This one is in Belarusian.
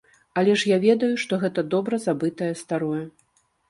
Але ж я ведаю, што гэта добра забытае старое.